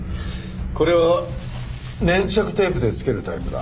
これは粘着テープでつけるタイプだ。